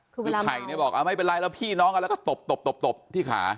คือไผ่เนี่ยบอกไม่เป็นไรแล้วพี่น้องกันแล้วก็ตบตบตบที่ขา